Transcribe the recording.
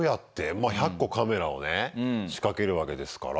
まあ１００個カメラをね仕掛けるわけですから。